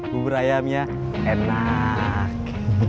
bubur ayamnya enak